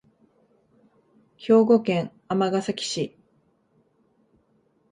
兵庫県尼崎市